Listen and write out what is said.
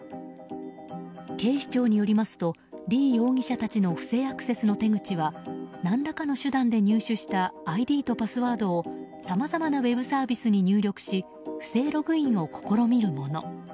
警視庁によりますとリ容疑者たちの不正アクセスの手口は何らかの手段で入手したＩＤとパスワードをさまざまなウェブサービスに入力し不正ログインを試みるもの。